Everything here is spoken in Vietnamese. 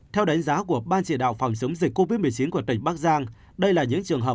theo đánh giá của ban chỉ đạo phòng chống dịch covid một mươi chín của tỉnh bắc giang